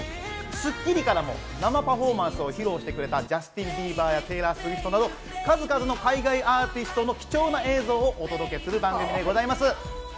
『スッキリ』からも生パフォーマンスを披露してくれたジャスティン・ビーバーやテイラー・スウィフトなど、数々の海外アーティストの貴重な映像をお届けする番組です。